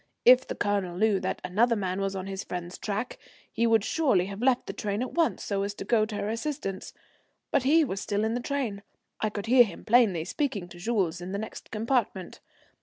If the Colonel knew that another man was on his friend's track, he would surely have left the train at once so as to go to her assistance. But he was still in the train, I could hear him plainly, speaking to Jules in the next compartment.